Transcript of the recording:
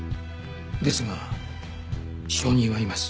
ですが証人はいます。